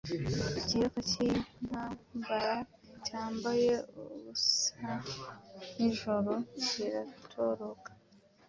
Ikiyoka cyintambara cyambaye ubusanijoro kiratoroka